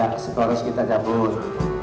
ya seharusnya kita cabut